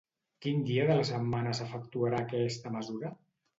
Quin dia de la setmana s'efectuarà aquesta mesura?